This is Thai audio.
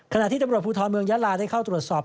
ขณะที่ตำรวจภูทรเมืองยาลาได้เข้าตรวจสอบ